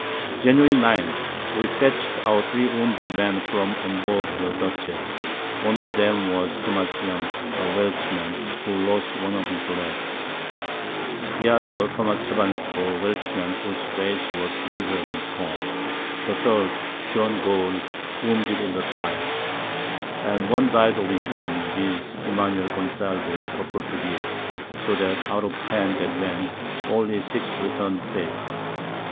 Jan. 9. We fetch'd our 3 wounded Men from on board the Dutchess; one of 'em was Tho. Young, a Welchman, who lost one of his Legs; the other, Tho. Evans, a Welchman, whose Face was miserably torn; the third, John Gold, wounded in the Thigh; and one died of his Wounds, viz. Emanuel Gonsalves, a Portuguese: So that out of ten that went, only 6 return'd safe.